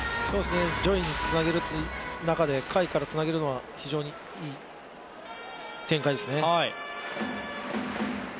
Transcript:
上位につなげる中で下位からつなげるのは、非常にいい展開ですね。